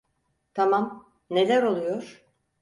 Tamam, neler oluyor?